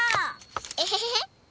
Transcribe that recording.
エヘヘヘ！